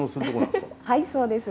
はいそうです。